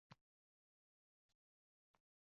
– Sen yeyaver, o‘g‘lim, meni qornim to‘q, –